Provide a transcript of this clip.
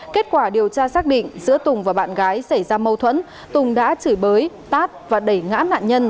kết quả điều tra xác định giữa tùng và bạn gái xảy ra mâu thuẫn tùng đã chửi bới tát và đẩy ngã nạn nhân